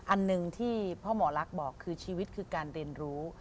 อันหนึ่งที่พ่อหมอลักษณ์บอกคือชีวิตคือการเรียนรู้